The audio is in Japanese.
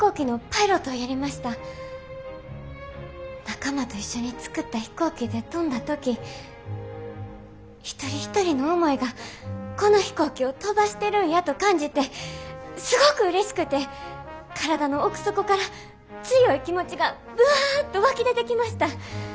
仲間と一緒に作った飛行機で飛んだ時一人一人の思いがこの飛行機を飛ばしてるんやと感じてすごくうれしくて体の奥底から強い気持ちがぶわっと湧き出てきました。